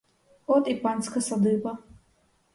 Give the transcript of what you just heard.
От і панська садиба.